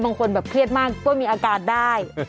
บางคนแบบเครียดมากก็มีอาการได้